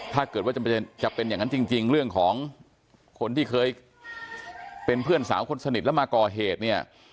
ถ้าเกิดว่าจะเป็นอย่างนั้นจริงเรื่องของคนที่เคยเป็นเพื่อนสาวคนสนิทแล้วมาก่อเหตุเนี่ย